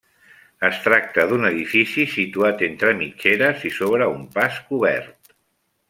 Es tracta d'un edifici situat entre mitgeres i sobre un pas cobert.